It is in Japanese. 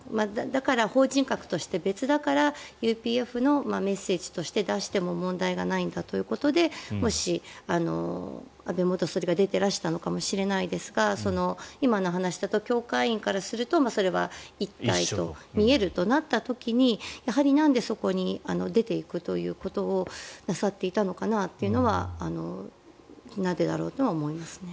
だから法人格として別だからＵＰＦのメッセージとして出しても問題がないんだということでもし、安倍元総理が出ていらしたのかもしれないですが今の話だと教会員からするとそれは一体と見えるとなった時にやはりなんでそこに出ていくということをなさっていたのかなというのはなんでなんだろうとは思いますね。